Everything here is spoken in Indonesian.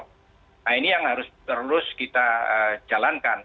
nah ini yang harus terus kita jalankan